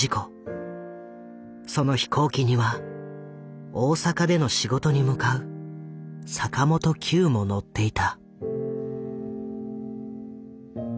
その飛行機には大阪での仕事に向かう坂本九も乗っていた。